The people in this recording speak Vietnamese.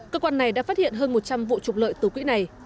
cơ quan này đã phát hiện hơn một trăm linh vụ trục lợi từ quỹ này